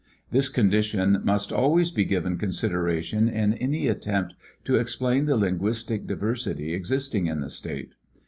This condition must always be given consideration in any attempt to explain the linguistic diversity existing in the state.